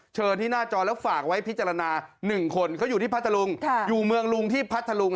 เชิญที่หน้าจอแล้วฝากไว้พิจารณา๑คนเขาอยู่ที่พัทธลุงอยู่เมืองลุงที่พัทธลุง